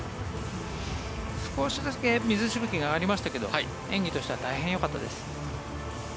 少しだけ水しぶきがありましたけど演技としては大変よかったです。